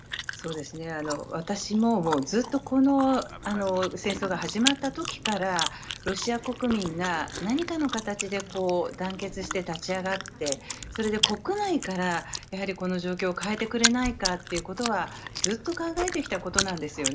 私もずっとこの戦争が始まった時からロシア国民が何かの形で団結して立ち上がって国内からこの状況を変えてくれないかということはずっと考えてきたことなんです。